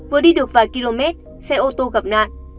vừa đi được vài km xe ô tô gặp nạn